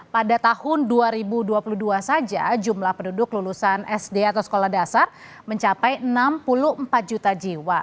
pada tahun dua ribu dua puluh dua saja jumlah penduduk lulusan sd atau sekolah dasar mencapai enam puluh empat juta jiwa